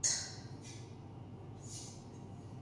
Luego representó a su país en las Naciones Unidas.